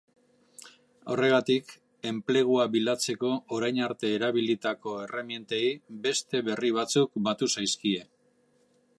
Horregatik, enplegua bilatzeko orain arte erabilitako erremintei beste berri batzuk batu zaizkie.